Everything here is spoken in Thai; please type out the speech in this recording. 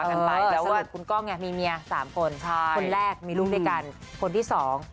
สำหรับคุณก้องเนี่ยมีเมีย๓คนคนแรกมีรูปด้วยกันคนที่๒